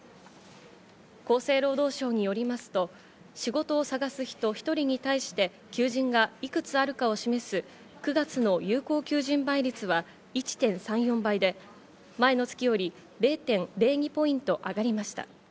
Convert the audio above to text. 厚生労働省によりますと仕事を探す人１人に対して求人がいくつあるかを示す、９月の有効求人倍率は１．３４倍で、前の月より０．０２ポイント上がりました。